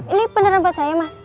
ini beneran buat saya mas